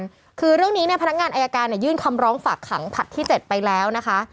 คือเรื่องนี้เนี่ยพนักงานอายการเนี่ยยื่นคำร้องฝากขังผลัดที่เจ็ดไปแล้วนะคะ